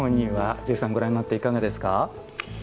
ジェフさん、ご覧になっていかがですか。